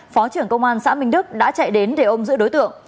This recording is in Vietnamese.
phó trưởng công an xã minh đức đã chạy đến để ôm giữ đối tượng